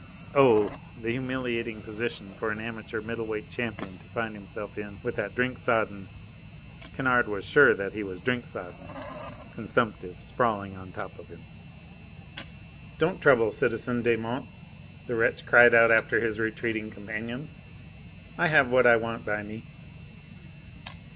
Oh! the humiliating position for an amateur middle weight champion to find himself in, with that drink sodden Kennard was sure that he was drink sodden consumptive sprawling on the top of him! "Don't trouble, citizen Desmonts," the wretch cried out after his retreating companions. "I have what I want by me."